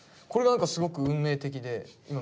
これが何かすごく運命的で。